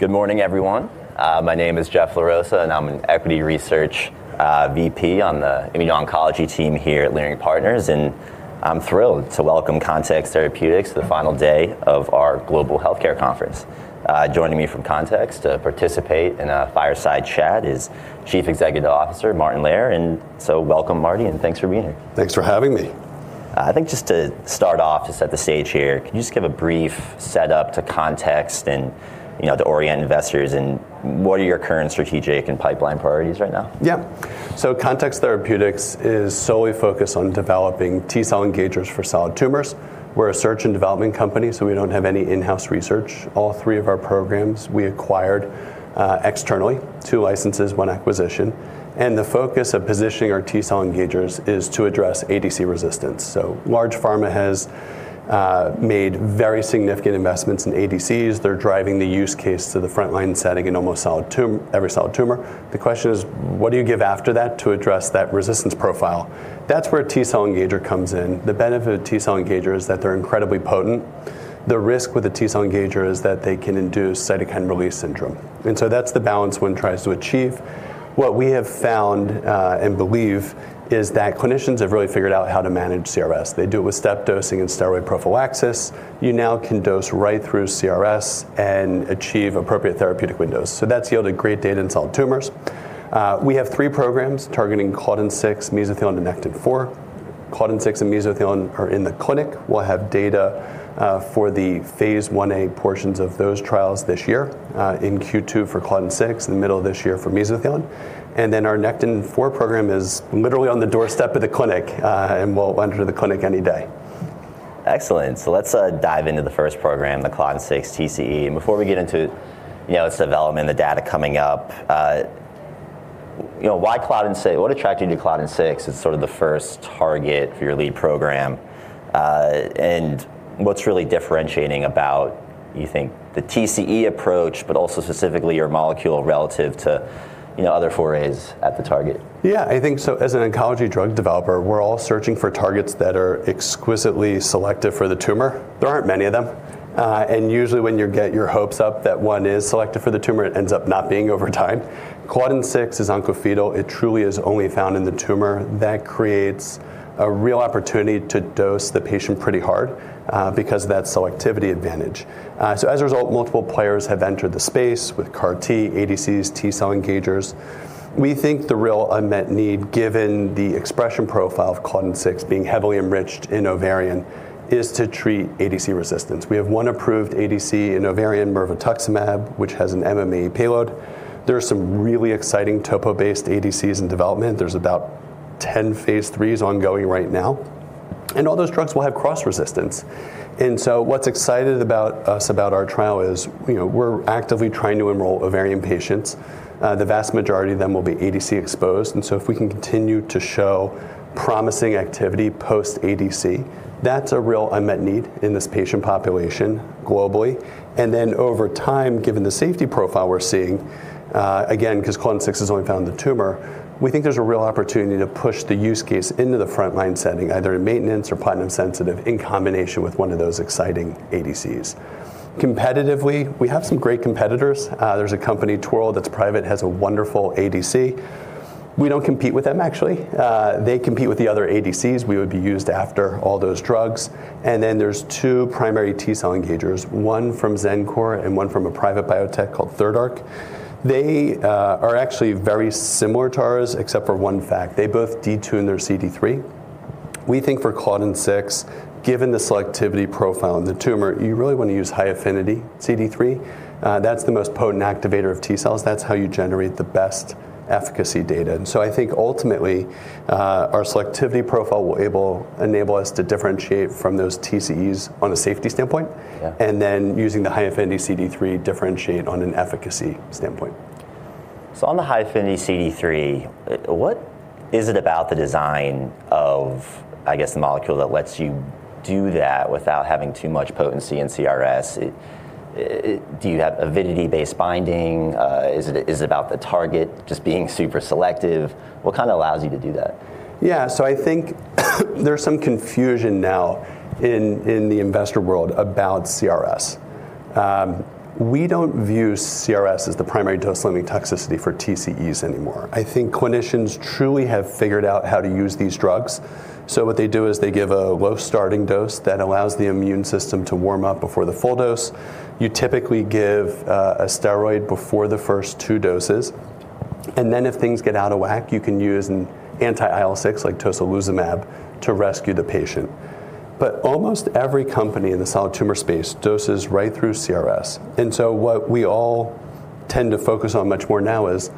Good morning, everyone. My name is Jeff La Rosa, and I'm an equity research VP on the immuno-oncology team here at Leerink Partners, and I'm thrilled to welcome Context Therapeutics to the final day of our global healthcare conference. Joining me from Context to participate in a fireside chat is Chief Executive Officer Martin Lehr. Welcome, Martin, and thanks for being here. Thanks for having me. I think just to start off, to set the stage here, can you just give a brief setup to Context and, you know, to orient investors, and what are your current strategic and pipeline priorities right now? Yeah. Context Therapeutics is solely focused on developing T-cell engagers for solid tumors. We're a research and development company, so we don't have any in-house research. All three of our programs we acquired externally, two licenses, one acquisition. The focus of positioning our T-cell engagers is to address ADC resistance. Large pharma has made very significant investments in ADCs. They're driving the use case to the frontline setting in almost every solid tumor. The question is, what do you give after that to address that resistance profile? That's where a T-cell engager comes in. The benefit of T-cell engager is that they're incredibly potent. The risk with a T-cell engager is that they can induce cytokine release syndrome. That's the balance one tries to achieve. What we have found and believe is that clinicians have really figured out how to manage CRS. They do it with step dosing and steroid prophylaxis. You now can dose right through CRS and achieve appropriate therapeutic windows. That's yielded great data in solid tumors. We have three programs targeting claudin 6, mesothelin, and nectin-4. Claudin 6 and mesothelin are in the clinic. We'll have data for the Phase 1a portions of those trials this year, in Q2 for claudin 6, in the middle of this year for mesothelin. Our nectin-4 program is literally on the doorstep of the clinic and will enter the clinic any day. Excellent. Let's dive into the first program, the claudin 6 TCE. And before we get into, you know, its development, the data coming up, you know, why claudin 6? What attracted you to claudin 6 as sort of the first target for your lead program? And what's really differentiating about, you think, the TCE approach, but also specifically your molecule relative to, you know, other forays at the target? Yeah, I think so as an oncology drug developer, we're all searching for targets that are exquisitely selective for the tumor. There aren't many of them. Usually when you get your hopes up that one is selective for the tumor, it ends up not being over time. Claudin 6 is oncofetal. It truly is only found in the tumor. That creates a real opportunity to dose the patient pretty hard, because of that selectivity advantage. As a result, multiple players have entered the space with CAR T, ADCs, T-cell engagers. We think the real unmet need, given the expression profile of claudin six being heavily enriched in ovarian, is to treat ADC resistance. We have one approved ADC in ovarian, mirvetuximab, which has an MMAE payload. There are some really exciting TOPO-based ADCs in development. There's about 10 phase IIIs ongoing right now. All those drugs will have cross resistance. What's exciting about us, about our trial is, you know, we're actively trying to enroll ovarian patients. The vast majority of them will be ADC exposed, and so if we can continue to show promising activity post-ADC, that's a real unmet need in this patient population globally. Then over time, given the safety profile we're seeing, again, 'cause claudin six is only found in the tumor, we think there's a real opportunity to push the use case into the front-line setting, either in maintenance or platinum-sensitive in combination with one of those exciting ADCs. Competitively, we have some great competitors. There's a company, TORL, that's private, has a wonderful ADC. We don't compete with them, actually. They compete with the other ADCs. We would be used after all those drugs. There's two primary T-cell engagers, one from Xencor and one from a private biotech called Third Arc Bio. They are actually very similar to ours except for one fact. They both detune their CD3. We think for claudin six, given the selectivity profile in the tumor, you really wanna use high-affinity CD3. That's the most potent activator of T-cells. That's how you generate the best efficacy data. I think ultimately, our selectivity profile will enable us to differentiate from those TCEs on a safety standpoint. Yeah. Using the high-affinity CD3 differentiate on an efficacy standpoint. On the high-affinity CD3, what is it about the design of, I guess, the molecule that lets you do that without having too much potency in CRS? Do you have avidity-based binding? Is it about the target just being super selective? What kinda allows you to do that? Yeah. I think there's some confusion now in the investor world about CRS. We don't view CRS as the primary dose-limiting toxicity for TCEs anymore. I think clinicians truly have figured out how to use these drugs. What they do is they give a low starting dose that allows the immune system to warm up before the full dose. You typically give a steroid before the first two doses. Then if things get out of whack, you can use an anti-IL-6, like tocilizumab, to rescue the patient. Almost every company in the solid tumor space doses right through CRS. What we all tend to focus on much more now is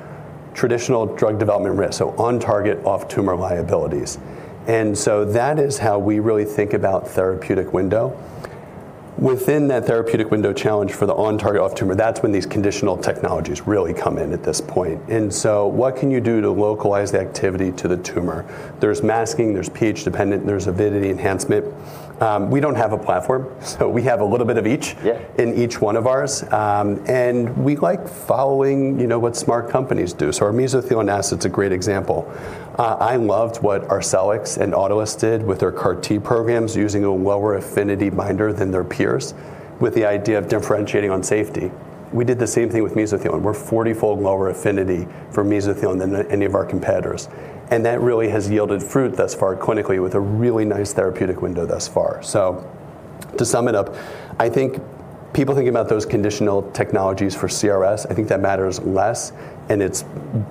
traditional drug development risk, so on target, off tumor liabilities. That is how we really think about therapeutic window. Within that therapeutic window challenge for the on-target, off-tumor, that's when these conditional technologies really come in at this point. What can you do to localize the activity to the tumor? There's masking, there's pH-dependent, there's avidity enhancement. We don't have a platform, so we have a little bit of each. Yeah In each one of ours. We like following, you know, what smart companies do. Our Mesothelin asset's a great example. I loved what Arcellx and Autolus did with their CAR T programs using a lower affinity binder than their peers with the idea of differentiating on safety. We did the same thing with Mesothelin. We're 40-fold lower affinity for Mesothelin than any of our competitors. That really has yielded fruit thus far clinically with a really nice therapeutic window thus far. To sum it up, I think people thinking about those conditional technologies for CRS, I think that matters less, and it's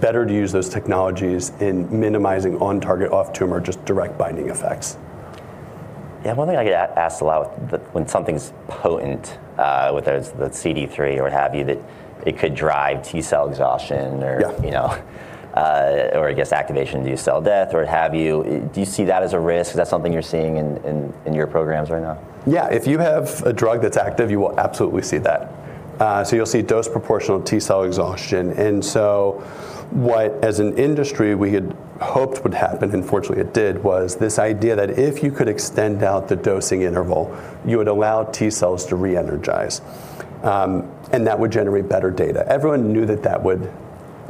better to use those technologies in minimizing on-target off-tumor, just direct binding effects. Yeah. One thing I get asked a lot with the when something's potent, whether it's the CD3 or what have you, that it could drive T cell exhaustion or- Yeah You know, or I guess activation-induced cell death or what have you. Do you see that as a risk? Is that something you're seeing in your programs right now? Yeah. If you have a drug that's active, you will absolutely see that. You'll see dose proportional T-cell exhaustion. What, as an industry, we had hoped would happen, and fortunately it did, was this idea that if you could extend out the dosing interval, you would allow T cells to re-energize, and that would generate better data. Everyone knew that that would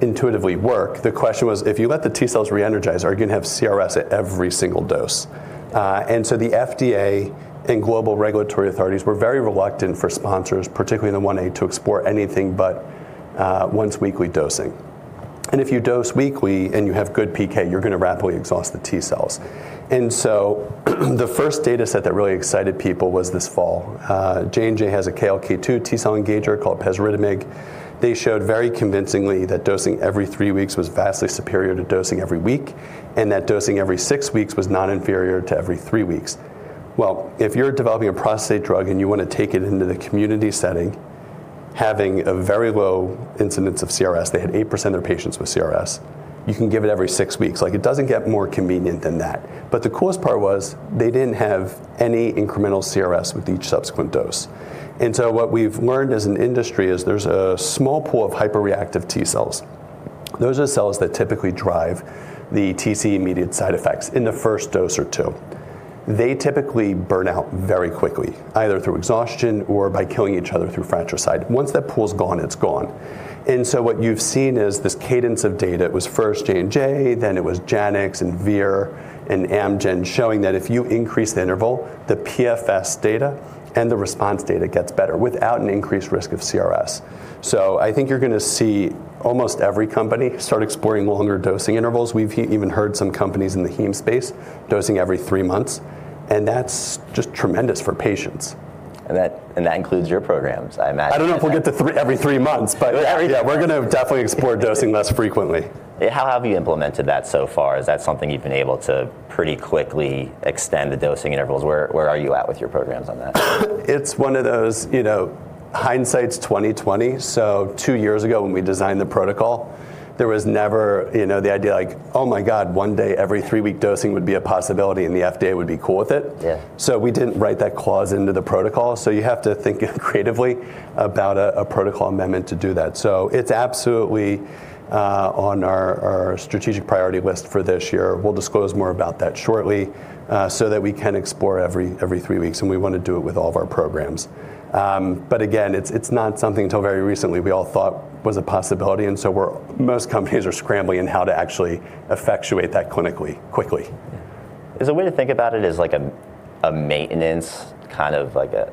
intuitively work. The question was, if you let the T cells re-energize, are you gonna have CRS at every single dose? The FDA and global regulatory authorities were very reluctant for sponsors, particularly in the Phase 1a, to explore anything but once-weekly dosing. If you dose weekly and you have good PK, you're gonna rapidly exhaust the T cells. The first data set that really excited people was this fall. J&J has a KLK2 T-cell engager called pasritamig. They showed very convincingly that dosing every three weeks was vastly superior to dosing every week, and that dosing every six weeks was not inferior to every three weeks. Well, if you're developing a prostate drug and you wanna take it into the community setting, having a very low incidence of CRS, they had 8% of patients with CRS, you can give it every six weeks. Like, it doesn't get more convenient than that. But the coolest part was they didn't have any incremental CRS with each subsequent dose. What we've learned as an industry is there's a small pool of hyperreactive T cells. Those are cells that typically drive the TCE immediate side effects in the first dose or two. They typically burn out very quickly, either through exhaustion or by killing each other through fratricide. Once that pool's gone, it's gone. What you've seen is this cadence of data. It was first J&J, then it was Janux and Vir and Amgen showing that if you increase the interval, the PFS data and the response data gets better without an increased risk of CRS. I think you're gonna see almost every company start exploring longer dosing intervals. We've even heard some companies in the heme space dosing every three months, and that's just tremendous for patients. That includes your programs, I imagine. Yeah. I don't know if we'll get to every three months, but. Yeah, right. Yeah, we're gonna definitely explore dosing less frequently. How have you implemented that so far? Is that something you've been able to pretty quickly extend the dosing intervals? Where are you at with your programs on that? It's one of those, you know, hindsight's 2020. Two years ago when we designed the protocol, there was never, you know, the idea like, oh my God, one day every three-week dosing would be a possibility and the FDA would be cool with it. Yeah. We didn't write that clause into the protocol, so you have to think creatively about a protocol amendment to do that. It's absolutely on our strategic priority list for this year. We'll disclose more about that shortly, so that we can explore every three weeks, and we wanna do it with all of our programs. Again, it's not something until very recently we all thought was a possibility, and so we're most companies are scrambling how to actually effectuate that clinically, quickly. A way to think about it is, like, a maintenance kind of like a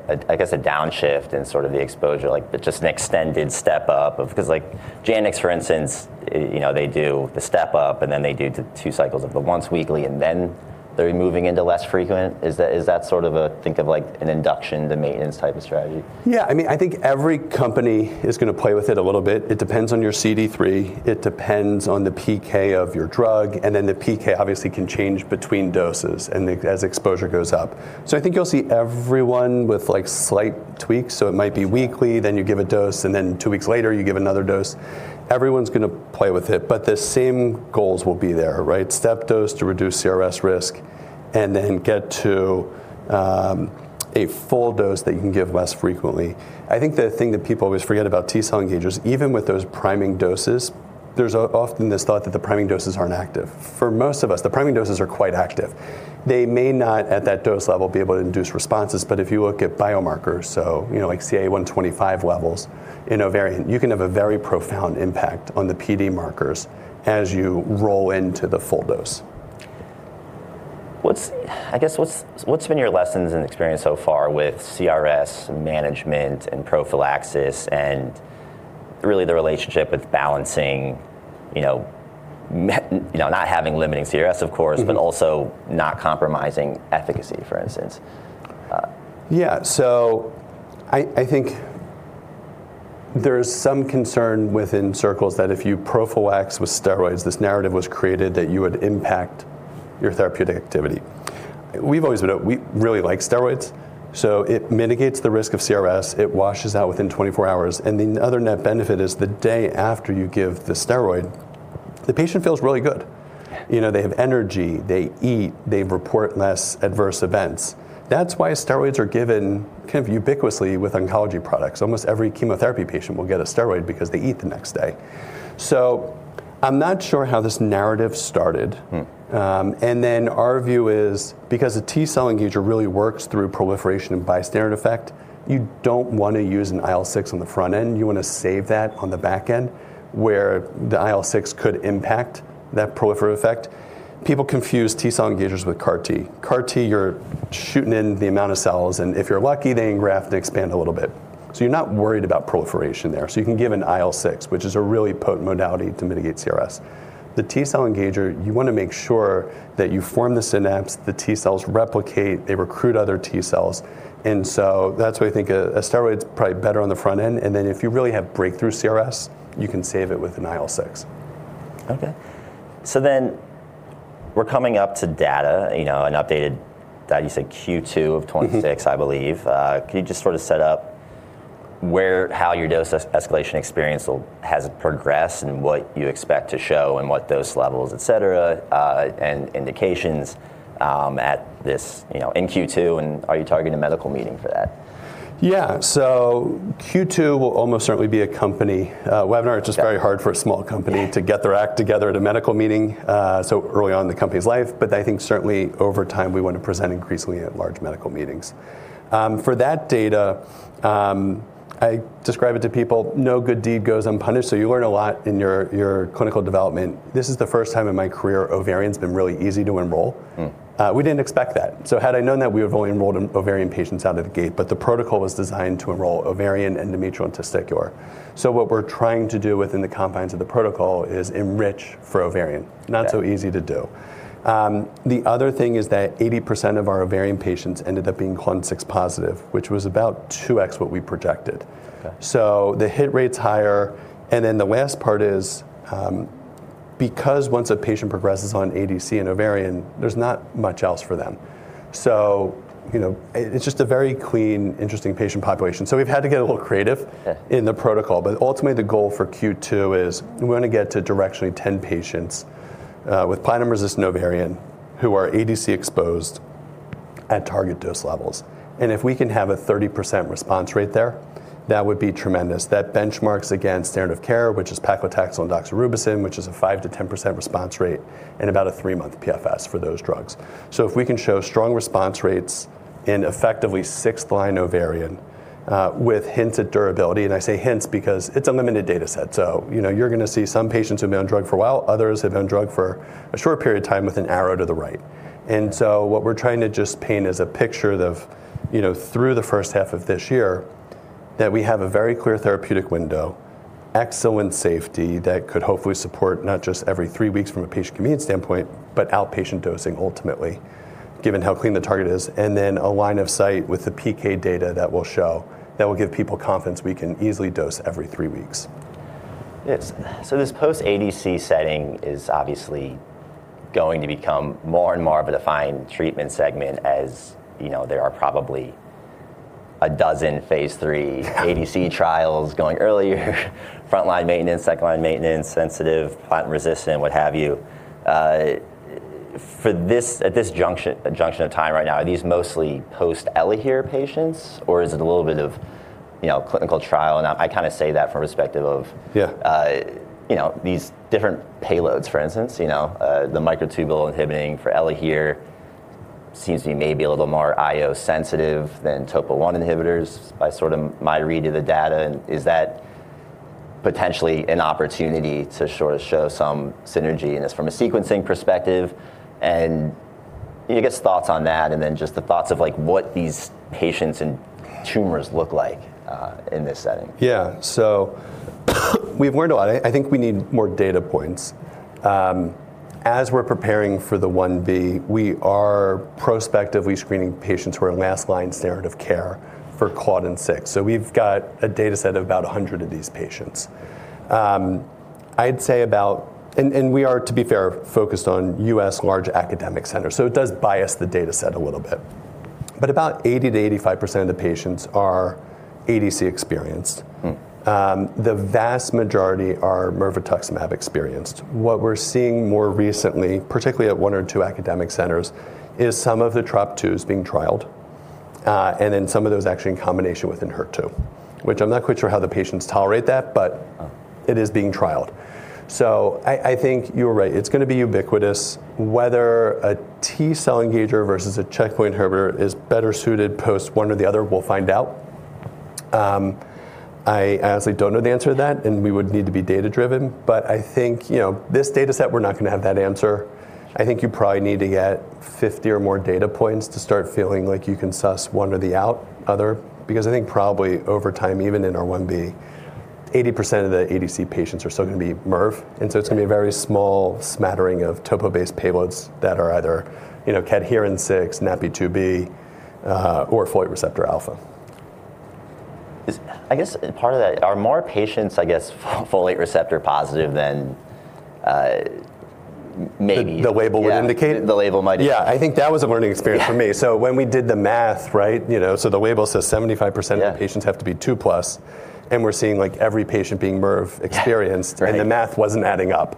downshift in sort of the exposure, like, but just an extended step up. 'Cause, like, Janux, for instance, you know, they do the step up and then they do two cycles of the once weekly, and then they're moving into less frequent. Is that sort of the way to think of, like, an induction to maintenance type of strategy? Yeah. I mean, I think every company is gonna play with it a little bit. It depends on your CD3. It depends on the PK of your drug, and then the PK obviously can change between doses and as exposure goes up. I think you'll see everyone with, like, slight tweaks. It might be weekly, then you give a dose, and then two weeks later you give another dose. Everyone's gonna play with it, but the same goals will be there, right? Step dose to reduce CRS risk and then get to a full dose that you can give less frequently. I think the thing that people always forget about T-cell engagers, even with those priming doses, there's often this thought that the priming doses aren't active. For most of us, the priming doses are quite active. They may not, at that dose level, be able to induce responses, but if you look at biomarkers, so, you know, like CA-125 levels in ovarian, you can have a very profound impact on the PD markers as you roll into the full dose. What's been your lessons and experience so far with CRS management and prophylaxis and really the relationship with balancing, you know, not having limiting CRS of course? Mm-hmm also not compromising efficacy, for instance? Yeah. I think there's some concern within circles that if you prophylax with steroids, this narrative was created that you would impact your therapeutic activity. We really like steroids, so it mitigates the risk of CRS, it washes out within 24 hours, and the other net benefit is the day after you give the steroid, the patient feels really good. You know, they have energy, they eat, they report less adverse events. That's why steroids are given kind of ubiquitously with oncology products. Almost every chemotherapy patient will get a steroid because they eat the next day. I'm not sure how this narrative started. Mm. Our view is, because a T-cell engager really works through proliferation and bystander effect, you don't wanna use an IL-6 on the front end. You wanna save that on the back end, where the IL-6 could impact that proliferative effect. People confuse T-cell engagers with CAR T. CAR T, you're shooting in a modest amount of cells, and if you're lucky, they engraft and expand a little bit. You're not worried about proliferation there, so you can give an IL-6, which is a really potent modality to mitigate CRS. The T-cell engager, you wanna make sure that you form the synapse, the T-cells replicate, they recruit other T-cells and so that's why I think a steroid's probably better on the front end, and then if you really have breakthrough CRS, you can save it with an IL-6. Okay. We're coming up to data, you know, an updated that you said Q2 of 2026. Mm-hmm I believe. Can you just sort of set up how your dose escalation experience has progressed and what you expect to show and what those levels, et cetera, and indications at this in Q2, and are you targeting a medical meeting for that? Yeah. Q2 will almost certainly be a company webinar. It's just very hard for a small company. Yeah To get their act together at a medical meeting, so early on in the company's life. I think certainly over time, we wanna present increasingly at large medical meetings. For that data, I describe it to people, no good deed goes unpunished, so you learn a lot in your clinical development. This is the first time in my career ovarian's been really easy to enroll. Mm. We didn't expect that. Had I known that, we would have only enrolled ovarian patients out of the gate. The protocol was designed to enroll ovarian, endometrial, and testicular. What we're trying to do within the confines of the protocol is enrich for ovarian. Yeah. Not so easy to do. The other thing is that 80% of our ovarian patients ended up being claudin-6 positive, which was about 2x what we projected. Okay. The hit rate's higher, and then the last part is, because once a patient progresses on ADC in ovarian, there's not much else for them. You know, it's just a very clean, interesting patient population. We've had to get a little creative. Yeah in the protocol. Ultimately, the goal for Q2 is we wanna get to directionally 10 patients with platinum-resistant ovarian who are ADC exposed at target dose levels. If we can have a 30% response rate there, that would be tremendous. That benchmarks against standard of care, which is paclitaxel and doxorubicin, which is a 5%-10% response rate and about a three-month PFS for those drugs. If we can show strong response rates in effectively sixth-line ovarian with hints at durability, and I say hints because it's a limited data set, so you know, you're gonna see some patients who've been on drug for a while, others have been on drug for a short period of time with an arrow to the right. What we're trying to just paint is a picture of, you know, through the first half of this year, that we have a very clear therapeutic window, excellent safety that could hopefully support not just every three weeks from a patient convenience standpoint, but outpatient dosing ultimately, given how clean the target is, and then a line of sight with the PK data that will show, that will give people confidence we can easily dose every three weeks. Yes. This post-ADC setting is obviously going to become more and more of a defined treatment segment as, you know, there are probably 12 phase III ADC trials going early, front line maintenance, second line maintenance, sensitive, platinum resistant, what have you. For this at this junction of time right now, are these mostly post-ELAHERE patients, or is it a little bit of, you know, clinical trial? Now, I kinda say that from a perspective of- Yeah You know, these different payloads, for instance. You know, the microtubule inhibiting for ELAHERE seems to be maybe a little more IO sensitive than topo one inhibitors by sort of my read to the data. Is that potentially an opportunity to sort of show some synergy in this from a sequencing perspective? I guess thoughts on that, and then just the thoughts of like what these patients and tumors look like in this setting. Yeah. We've learned a lot. I think we need more data points. As we're preparing for the phase 1b, we are prospectively screening patients who are last line standard of care for claudin 6. We've got a data set of about 100 of these patients. I'd say about. We are, to be fair, focused on U.S. large academic centers, so it does bias the data set a little bit. About 80%-85% of the patients are ADC experienced. Mm. The vast majority are mirvetuximab experienced. What we're seeing more recently, particularly at one or two academic centers, is some of the Trop-2 being trialed, and then some of those actually in combination with an HER2, which I'm not quite sure how the patients tolerate that, but. Oh It is being trialed. I think you're right. It's gonna be ubiquitous. Whether a T-cell engager versus a checkpoint inhibitor is better suited post one or the other, we'll find out. I honestly don't know the answer to that, and we would need to be data-driven. I think, you know, this data set, we're not gonna have that answer. I think you probably need to get 50 or more data points to start feeling like you can suss one or the other, because I think probably over time, even in our phase 1b, 80% of the ADC patients are still gonna be MMAE, and so it's gonna be a very small smattering of topo-based payloads that are either, you know, claudin 6, NaPi2b, or folate receptor alpha. I guess part of that, are more patients, I guess, folate receptor positive than maybe- The label would indicate? Yeah. The label might indicate. Yeah. I think that was a learning experience for me. Yeah. When we did the math, right, you know, so the label says 75%. Yeah Of patients have to be 2 plus, and we're seeing like every patient being CRS experienced. Yeah. Right. The math wasn't adding up.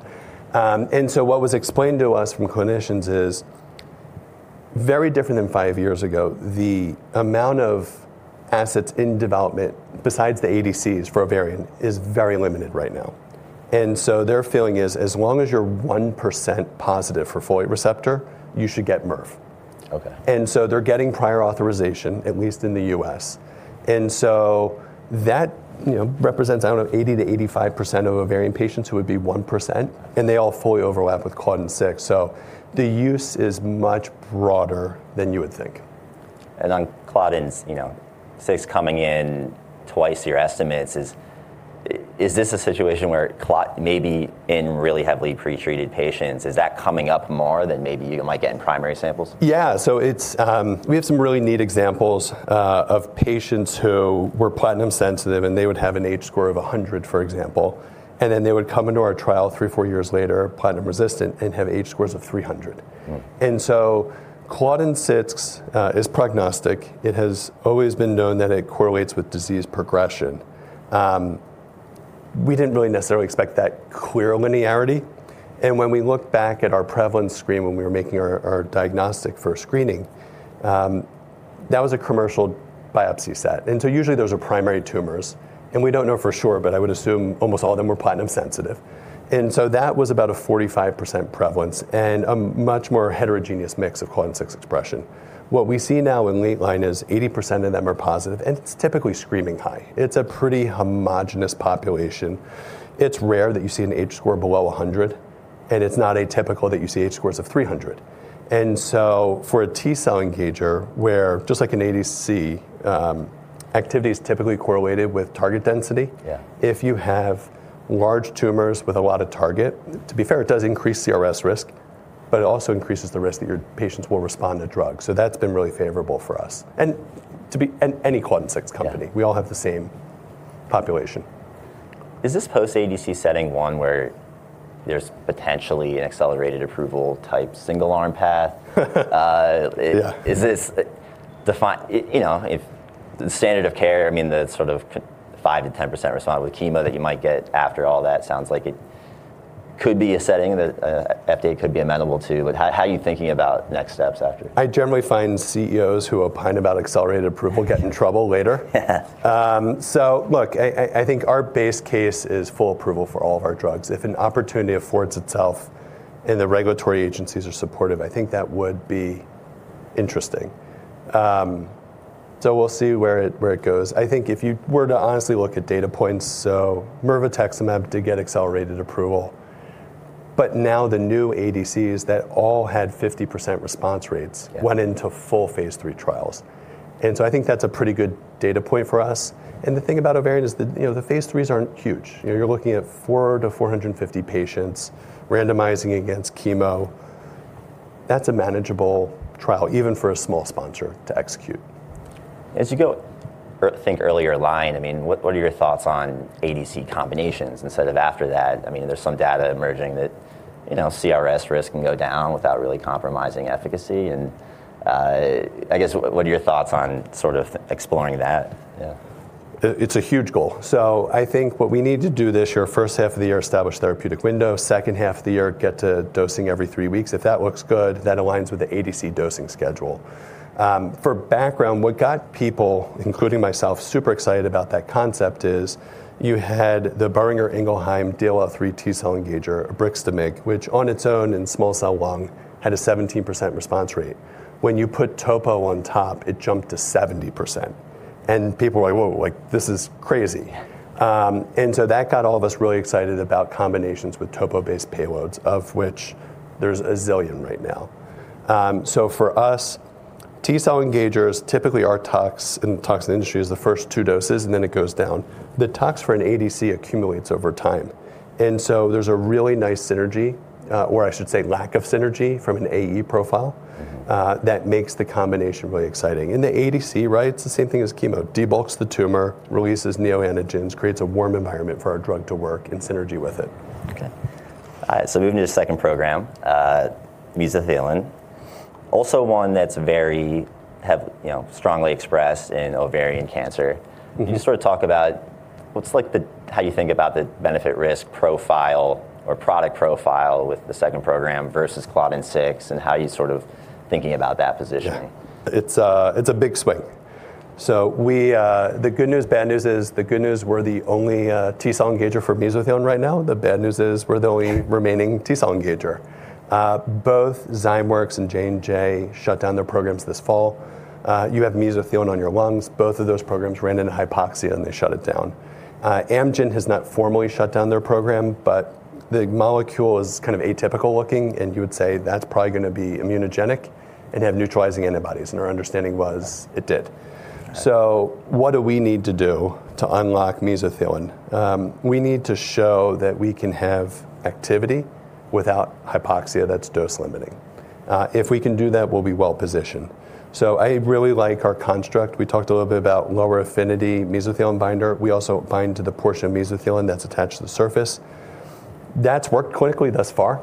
What was explained to us from clinicians is very different than five years ago. The amount of assets in development besides the ADCs for ovarian is very limited right now. Their feeling is, as long as you're 1% positive for folate receptor, you should get mirvetuximab. Okay. They're getting prior authorization, at least in the U.S. That, you know, represents, I don't know, 80%-85% of ovarian patients who would be 1%, and they all Fully overlap with claudin six. The use is much broader than you would think. On claudin six, you know, coming in twice your estimates. Is this a situation where claudin maybe in really heavily pretreated patients, is that coming up more than maybe you might get in primary samples? We have some really neat examples of patients who were platinum-sensitive, and they would have an H-score of 100, for example. Then they would come into our trial three or four years later, platinum-resistant, and have H-scores of 300. Mm. Claudin 6 is prognostic. It has always been known that it correlates with disease progression. We didn't really necessarily expect that clear linearity, and when we looked back at our prevalent screen when we were making our diagnostic for screening, that was a commercial biopsy set. Usually those are primary tumors, and we don't know for sure, but I would assume almost all of them were platinum-sensitive. That was about a 45% prevalence and a much more heterogeneous mix of claudin 6 expression. What we see now in late line is 80% of them are positive, and it's typically screaming high. It's a pretty homogenous population. It's rare that you see an H-score below 100, and it's not atypical that you see H-scores of 300. For a T cell engager where, just like an ADC, activity is typically correlated with target density. Yeah If you have large tumors with a lot of target, to be fair, it does increase CRS risk, but it also increases the risk that your patients will respond to drugs. That's been really favorable for us. Any claudin 6 company. Yeah. We all have the same population. Is this post ADC setting one where there's potentially an accelerated approval type single arm path? Yeah. I, you know, if the standard of care, I mean, the sort of 5%-10% respond with chemo that you might get after all that sounds like it could be a setting that FDA could be amenable to. How are you thinking about next steps after? I generally find CEOs who opine about accelerated approval get in trouble later. Look, I think our base case is full approval for all of our drugs. If an opportunity affords itself and the regulatory agencies are supportive, I think that would be interesting. We'll see where it goes. I think if you were to honestly look at data points, so mirvetuximab did get accelerated approval, but now the new ADCs that all had 50% response rates. Yeah Went into full phase III trials. I think that's a pretty good data point for us. The thing about ovarian is, you know, the phase IIIs aren't huge. You know, you're looking at 400-450 patients randomizing against chemo. That's a manageable trial even for a small sponsor to execute. As you go or think earlier line, I mean, what are your thoughts on ADC combinations instead of after that? I mean, there's some data emerging that, you know, CRS risk can go down without really compromising efficacy and, I guess what are your thoughts on sort of exploring that? Yeah. It's a huge goal. I think what we need to do this year, first half of the year, establish therapeutic window, second half of the year, get to dosing every three weeks. If that looks good, that aligns with the ADC dosing schedule. For background, what got people, including myself, super excited about that concept is you had the Boehringer Ingelheim DLL3 T-cell engager obrixtamig, which on its own in small cell lung had a 17% response rate. When you put topo on top, it jumped to 70% and people were like, "Whoa," like, "This is crazy." That got all of us really excited about combinations with topo-based payloads of which there's a zillion right now. For us, T-cell engagers typically are tox in the TCE industry is the first two doses and then it goes down. The tox for an ADC accumulates over time. There's a really nice synergy, or I should say lack of synergy from an AE profile. Mm-hmm that makes the combination really exciting. The ADC, right? It's the same thing as chemo. Debulks the tumor, releases neoantigens, creates a warm environment for our drug to work in synergy with it. Moving to the second program, Mesothelin. Also one that's very you know, strongly expressed in ovarian cancer. Mm-hmm. Can you just sort of talk about what's like the how you think about the benefit risk profile or product profile with the second program versus claudin 6 and how you're sort of thinking about that positioning? Yeah. It's a big swing. We, the good news, bad news is the good news, we're the only T-cell engager for Mesothelin right now. The bad news is we're the only remaining T-cell engager. Both Zymeworks and J&J shut down their programs this fall. You have Mesothelin on your lungs. Both of those programs ran into hypoxia, and they shut it down. Amgen has not formally shut down their program, but the molecule is kind of atypical looking, and you would say, "That's probably gonna be immunogenic and have neutralizing antibodies." Our understanding was it did. Right. What do we need to do to unlock Mesothelin? We need to show that we can have activity without hypoxia that's dose limiting. If we can do that, we'll be well positioned. I really like our construct. We talked a little bit about lower affinity Mesothelin binder. We also bind to the portion of Mesothelin that's attached to the surface. That's worked clinically thus far.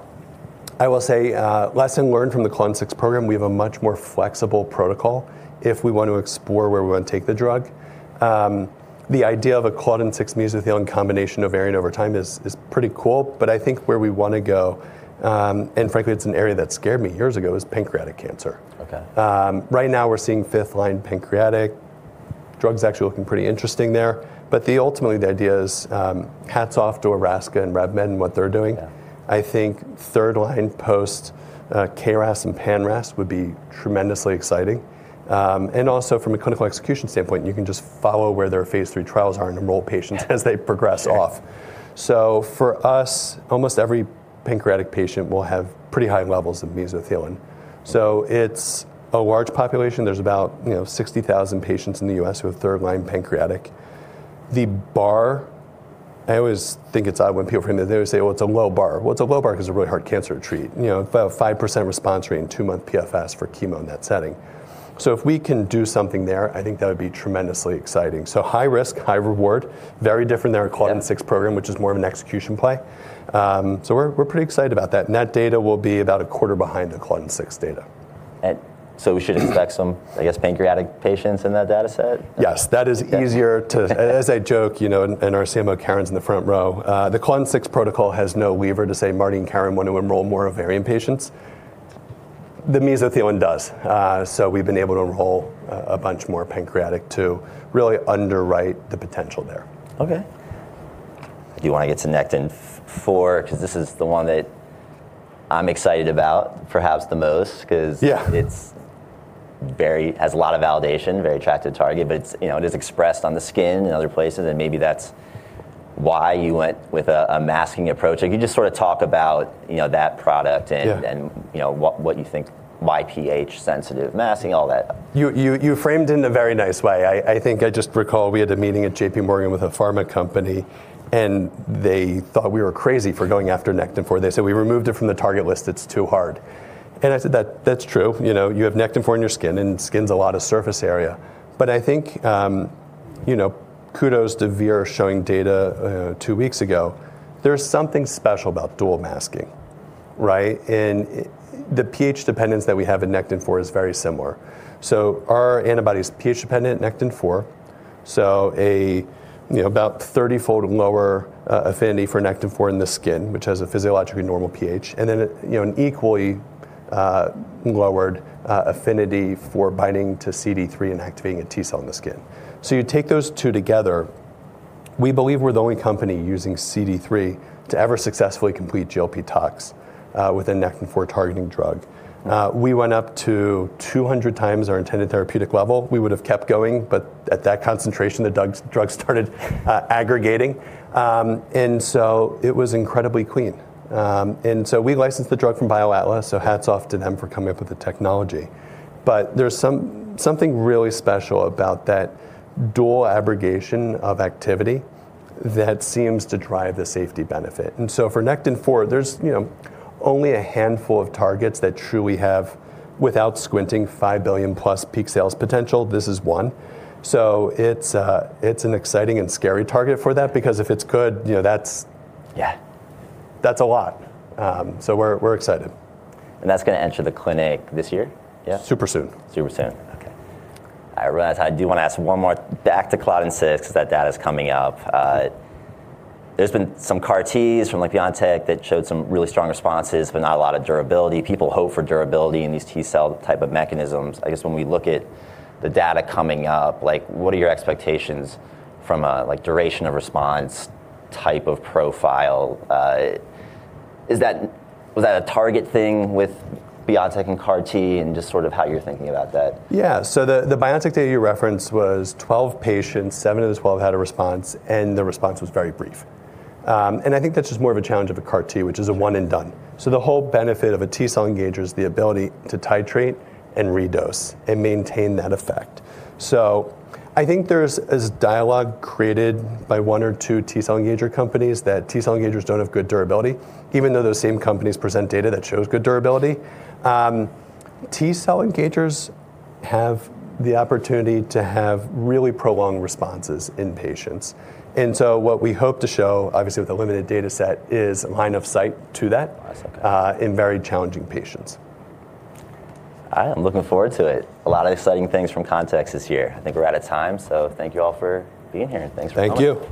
I will say, lesson learned from the claudin six program, we have a much more flexible protocol if we want to explore where we wanna take the drug. The idea of a claudin six Mesothelin combination of ovarian over time is pretty cool, but I think where we wanna go, and frankly it's an area that scared me years ago, is pancreatic cancer. Okay. Right now we're seeing fifth line pancreatic. Drug's actually looking pretty interesting there. Ultimately, the idea is, hats off to Arrakis and Revolution Medicines and what they're doing. Yeah. I think third line post KRAS and PRMT5 would be tremendously exciting. Also from a clinical execution standpoint, you can just follow where their phase 3 trials are and enroll patients as they progress off. Sure. For us, almost every pancreatic patient will have pretty high levels of mesothelin. It's a large population. There's about, you know, 60,000 patients in the U.S. who have third-line pancreatic. The bar. I always think it's odd when people from there say, "Oh, it's a low bar." Well, it's a low bar because it's a really hard cancer to treat. You know, about a 5% response rate and two-month PFS for chemo in that setting. If we can do something there, I think that would be tremendously exciting. High risk, high reward, very different than our- Yeah claudin-6 program, which is more of an execution play. We're pretty excited about that. That data will be about a quarter behind the claudin-6 data. We should expect, I guess, pancreatic patients in that data set? Yes. As I joke, you know, and our CMO Karen's in the front row, the claudin-6 protocol has no lever to say Marty and Karen want to enroll more ovarian patients. The mesothelin does. We've been able to enroll a bunch more pancreatic to really underwrite the potential there. Okay. Do you wanna get to Nectin-4? 'Cause this is the one that I'm excited about perhaps the most 'cause- Yeah It's very, has a lot of validation, very attractive target, but it's, you know, it is expressed on the skin and other places, and maybe that's why you went with a masking approach. If you could just sort of talk about, you know, that product and. Yeah You know, what you think, why pH-sensitive masking, all that. You framed it in a very nice way. I think I just recall we had a meeting at JPMorgan with a pharma company, and they thought we were crazy for going after Nectin-4. They said, "We removed it from the target list. It's too hard." I said, "That's true." You know, you have Nectin-4 in your skin, and skin's a lot of surface area. But I think, you know, kudos to Verve showing data two weeks ago. There's something special about dual masking, right? The pH dependence that we have in Nectin-4 is very similar. Our antibody is pH-dependent, Nectin-4, you know, about 30-fold lower affinity for Nectin-4 in the skin, which has a physiologically normal pH, and then you know, an equally lowered affinity for binding to CD3 and activating a T-cell in the skin. You take those two together, we believe we're the only company using CD3 to ever successfully complete GLP tox with a Nectin-4 targeting drug. We went up to 200 times our intended therapeutic level. We would have kept going, but at that concentration, the drug started aggregating. It was incredibly clean. We licensed the drug from BioAtla, so hats off to them for coming up with the technology. There's something really special about that dual abrogation of activity that seems to drive the safety benefit. For Nectin-4, there's, you know, only a handful of targets that truly have, without squinting, $5 billion+ peak sales potential. This is one. It's an exciting and scary target for that because if it's good, you know, that's Yeah That's a lot. We're excited. That's gonna enter the clinic this year? Yeah. Super soon. Super soon, okay. I realize I do wanna ask one more, back to claudin-6, that data's coming up. There's been some CAR T from like BioNTech that showed some really strong responses, but not a lot of durability. People hope for durability in these T-cell type of mechanisms. I guess when we look at the data coming up, like what are your expectations from a like duration of response type of profile? Is that, was that a target thing with BioNTech and CAR T and just sort of how you're thinking about that? The BioNTech data you referenced was 12 patients, 7 of the 12 had a response, and the response was very brief. I think that's just more of a challenge of a CAR-T, which is a one and done. The whole benefit of a T-cell engager is the ability to titrate and redose and maintain that effect. I think there's a dialogue created by one or two T-cell engager companies, that T-cell engagers don't have good durability, even though those same companies present data that shows good durability. T-cell engagers have the opportunity to have really prolonged responses in patients. What we hope to show, obviously with a limited data set, is line of sight to that. That's okay. in very challenging patients. All right, I'm looking forward to it. A lot of exciting things from Context this year. I think we're out of time, so thank you all for being here, and thanks for coming. Thank you.